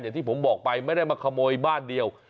อย่างที่ผมบอกไปไม่ได้มาขโมยบ้านเดียว